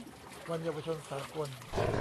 วันเยาวชนสากล